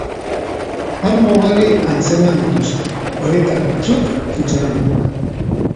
Arma ugari atzeman dituzte, horietako batzuk, funtzionamenduan.